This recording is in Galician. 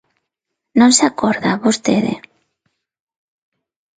¿Non se acorda vostede?